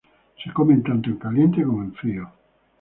Se comen tanto en caliente como en frío.